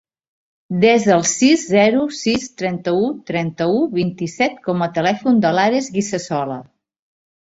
Desa el sis, zero, sis, trenta-u, trenta-u, vint-i-set com a telèfon de l'Ares Guisasola.